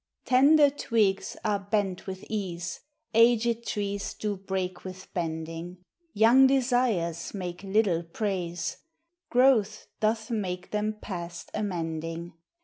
Tender twigs are bent with ease, Aged trees do breake with bending; Young desires make little prease, •Growth doth make them past amending.